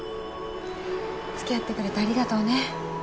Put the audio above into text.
つきあってくれてありがとうね。